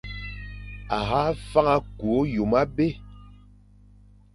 A hagha fana ku hyôm abî,